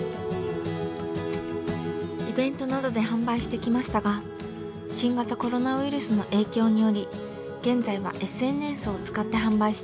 イベントなどで販売してきましたが新型コロナウイルスの影響により現在はＳＮＳを使って販売しています。